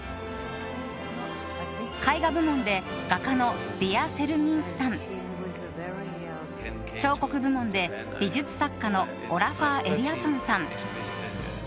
絵画部門で画家のヴィヤ・セルミンスさん彫刻部門で美術作家のオラファー・エリアソンさん